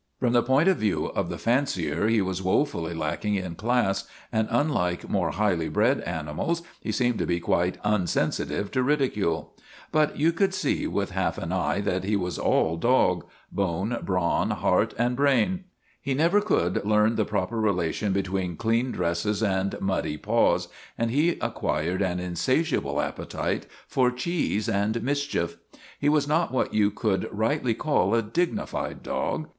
From the point of view of the fancier he was woefully lacking in class, and unlike more highly bred animals he seemed to be quite unsensitive to ridicule. But you could see 271 272 TOM SAWYER OF THE MOVIES with half an eye that he was all dog bone, brawn, heart, and brain. He never could learn the proper relation between clean dresses and muddy paws, and he acquired an insatiable appetite for cheese and mischief. He was not what you could rightly call a dignified dog.